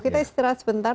kita istirahat sebentar